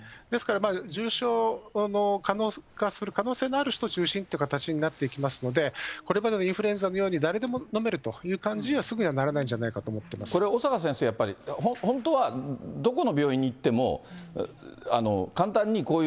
ですから重症化する可能性のある人中心という形になっていきますので、これまでのインフルエンザのように誰でも飲めるという感じにはすぐにはならないんじゃない小坂先生、やっぱり本当はど